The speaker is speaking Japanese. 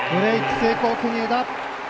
成功、国枝。